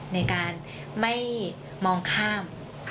ในการไม่มองข้าม